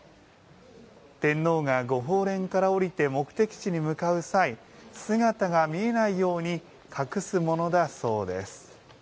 天皇が御鳳輦から降りて目的地に向かう際姿が見えないように隠すものだそうです。